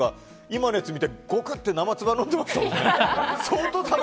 今のやつ見て、ごくっと生つばを飲んでましたもんね。